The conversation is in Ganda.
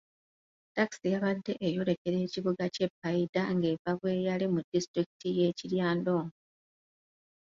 Ttakisi yabadde eyolekera ekibuga ky'e Paidha ng'eva Bweyale mu disitulikiti y'e Kiryandongo.